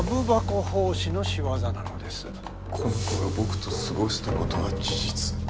この子が僕と過ごしたことは事実。